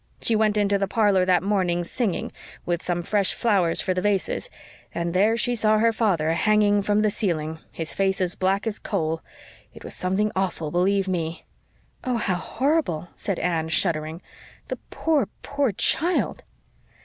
She went into the parlor that morning, singing, with some fresh flowers for the vases, and there she saw her father hanging from the ceiling, his face as black as a coal. It was something awful, believe ME!" "Oh, how horrible!" said Anne, shuddering. "The poor, poor child!"